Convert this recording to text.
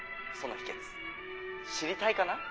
その秘けつ知りたいかな？」。